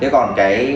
thế còn cái